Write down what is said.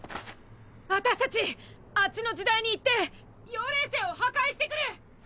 私達あっちの時代に行って妖霊星を破壊してくる！